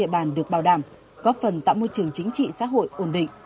địa bàn được bảo đảm góp phần tạo môi trường chính trị xã hội ổn định